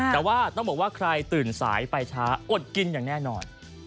แต่ว่าต้องบอกว่าใครตื่นสายไปช้าอดกินอย่างแน่นอน